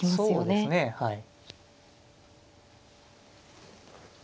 そうですねはい。